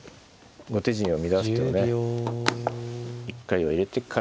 後手陣を乱す手をね一回は入れてから。